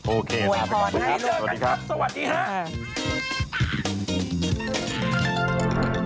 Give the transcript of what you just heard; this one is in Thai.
โอเคค่ะขอบคุณครับ